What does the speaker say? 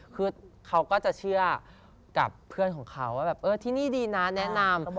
คือเขาก็จะเชื่อกับเพื่อนของเขาว่าแบบเออที่นี่ดีนะแนะนำ